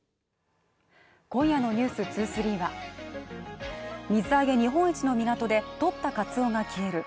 今夜の「ｎｅｗｓ２３」は水揚げ日本一の港でとったカツオが消える。